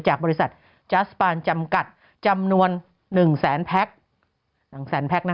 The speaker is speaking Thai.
จัสปานด์จำกัดจำนวน๑แสนแพ็ค